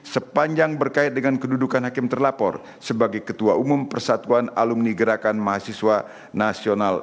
sepanjang berkait dengan kedudukan hakim terlapor sebagai ketua umum persatuan alumni gerakan mahasiswa nasional